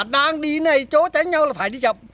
đang đi này chỗ tánh nhau là phải đi chậm